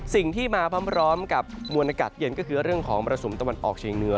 สิ่งที่มาพร้อมกับมวลอากาศเย็นก็คือเรื่องของมรสุมตะวันออกเชียงเหนือ